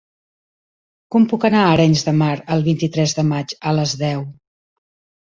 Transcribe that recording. Com puc anar a Arenys de Mar el vint-i-tres de maig a les deu?